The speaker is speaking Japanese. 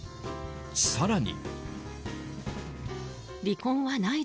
更に。